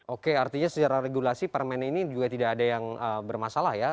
oke artinya secara regulasi permainan ini juga tidak ada yang bermasalah ya